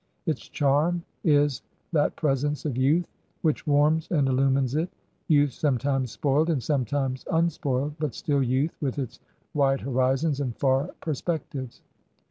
Its charm is that presence of youth which warms and illiunines it : youth sometimes spoiled and sometimes unspoiled, but still youth with its wide horizons and far perspectives.